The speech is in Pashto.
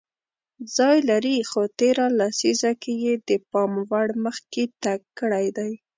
ځای لري خو تېره لیسزه کې یې د پام وړ مخکې تګ کړی دی